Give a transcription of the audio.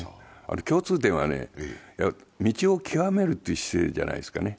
共通点は、道を極めるという姿勢じゃないですかね。